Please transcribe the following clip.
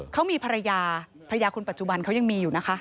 เขามีภรรยาภรรยาคนปัจจุบันเขายังมีอยู่นะคะ